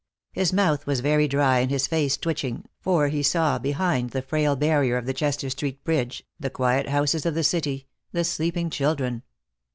His mouth was very dry and his face twitching, for he saw, behind the frail barrier of the Chester Street bridge, the quiet houses of the city, the sleeping children.